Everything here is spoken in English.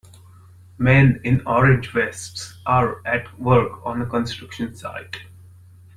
Men in orange vests are at work on a construction site.